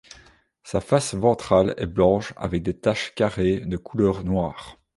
Sa face ventrale est blanche avec des taches carrées de couleur noire.